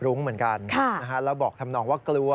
เราบอกทำนองความกลัว